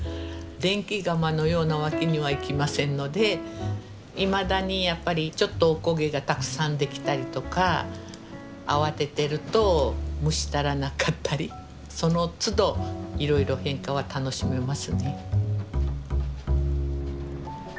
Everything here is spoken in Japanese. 電気釜のようなわけにはいきませんのでいまだにやっぱりちょっとおこげがたくさんできたりとか慌ててると蒸し足らなかったりそのつどいろいろ変化は楽しめますね。